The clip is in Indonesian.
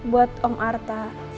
buat om arta